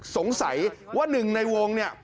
สงสัยว่าหนึ่งในวงเนี่ย